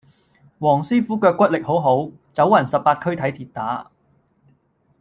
黃師傅腳骨力好好，走勻十八區睇跌打